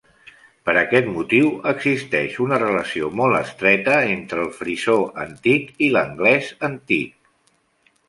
Per aquest motiu, existeix una relació molt estreta entre el frisó antic i l'anglès antic.